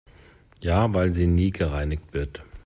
Ja, weil sie nie gereinigt wird.